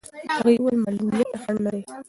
هغې وویل معلولیت خنډ نه دی.